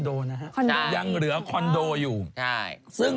ฟันทง